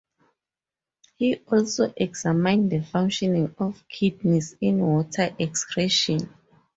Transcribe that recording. He also examined the functioning of kidneys in water excretion.